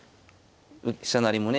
飛車成りもね